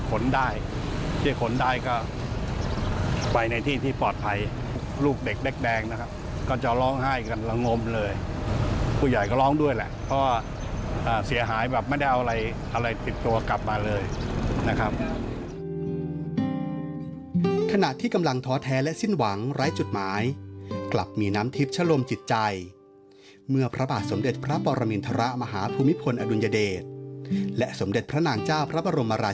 ก็ไปในที่ที่ปลอดภัยลูกเด็กแดกแดงนะครับก็จะร้องไห้กันลงมเลยผู้ใหญ่ก็ร้องด้วยแหละเพราะอ่าเสียหายแบบไม่ได้เอาอะไรอะไรติดตัวกลับมาเลยนะครับขณะที่กำลังท้อแท้และสิ้นหวังไร้จุดหมายกลับมีน้ำทิพย์ชะลมจิตใจเมื่อพระบาทสมเด็จพระปรมิณฑระมหาภูมิพลอดุญเดชและสมเด็จพระนางจ้าพระบ